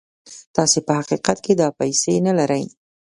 تاسې په حقيقت کې دا پيسې نه لرئ.